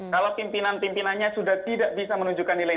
kalau pimpinan pimpinannya sudah tidak bisa menunjukkan nilai